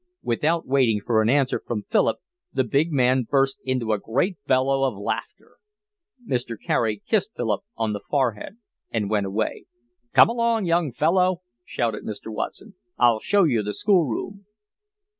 Without waiting for an answer from Philip the big man burst into a great bellow of laughter. Mr. Carey kissed Philip on the forehead and went away. "Come along, young fellow," shouted Mr. Watson. "I'll show you the school room."